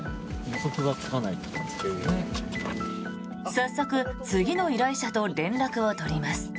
早速次の依頼者と連絡を取ります。